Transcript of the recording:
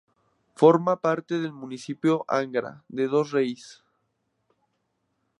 Forma parte del municipio de Angra dos Reis.